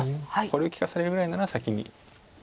これを利かされるぐらいなら先に。